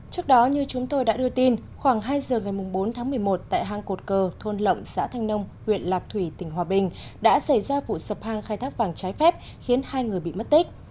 trước đó như chúng tôi đã đưa tin khoảng hai giờ ngày bốn tháng một mươi một tại hang cột cờ thôn lộng xã thanh nông huyện lạc thủy tỉnh hòa bình đã xảy ra vụ sập hang khai thác vàng trái phép khiến hai người bị mất tích